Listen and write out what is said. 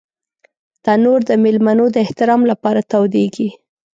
تنور د مېلمنو د احترام لپاره تودېږي